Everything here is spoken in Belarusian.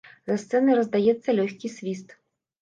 За сцэнай раздаецца лёгкі свіст.